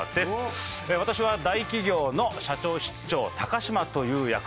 私は大企業の社長室長高島という役を。